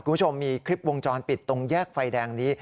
คุณผู้ชมมีคลิปวงจรปิดตรงแยกไฟแดงนี้